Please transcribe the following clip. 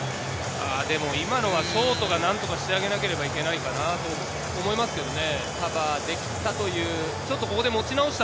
今のはショートが何とかしてあげなければいけないかなと思いますけどね。